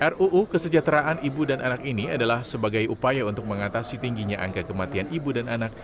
ruu kesejahteraan ibu dan anak ini adalah sebagai upaya untuk mengatasi tingginya angka kematian ibu dan anak